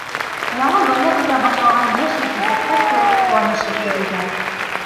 Яңы донъя көтә башлаған йәш-елкенсәктәр кеүек ҡыуанышып йөрөйҙәр.